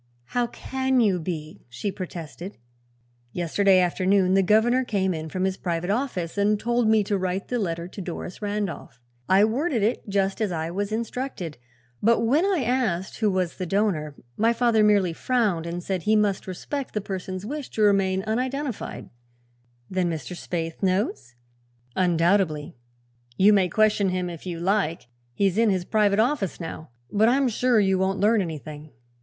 "How can you be?" she protested. "Yesterday afternoon the governor came in from his private office and told me to write the letter to Doris Randolph. I worded it just as I was instructed, but when I asked who was the donor my father merely frowned and said he must respect the person's wish to remain unidentified." "Then Mr. Spaythe knows?" "Undoubtedly. You may question him, if you like; he's in his private office now. But I'm sure you won't learn anything."